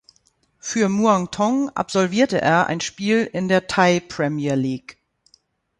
Für Muangthong absolvierte er ein Spiel in der Thai Premier League.